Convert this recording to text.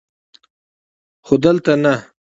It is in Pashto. خو دلته نه!